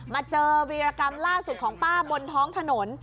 มาเจอวีรกรรมล่าสุดของป้าบนท้องถนน